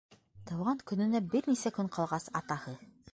Тыуған көнөнә бер нисә көн ҡалғас, атаһы: